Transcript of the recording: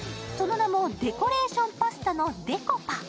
その名もデコレーションパスタのＤｅｃｏｐａ。